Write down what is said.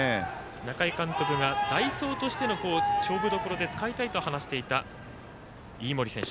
中井監督が代走としての勝負どころで使いたいと放していた飯盛選手。